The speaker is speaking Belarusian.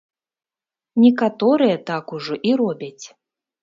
Некаторыя так ужо і робяць.